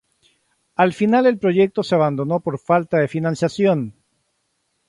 Al final el proyecto se abandonó por falta de financiación.